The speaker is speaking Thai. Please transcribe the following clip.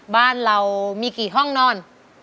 บ้านเรามีกี่ห้องนอน